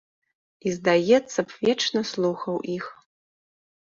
І, здаецца б, вечна слухаў іх.